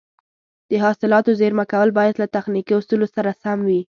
د حاصلاتو زېرمه کول باید له تخنیکي اصولو سره سم وي.